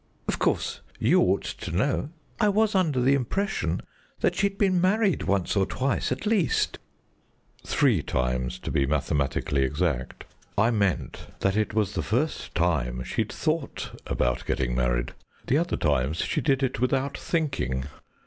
"Of course, you ought to know. I was under the impression that she'd been married once or twice at least." "Three times, to be mathematically exact. I meant that it was the first time she'd thought about getting married; the other times she did it without thinking.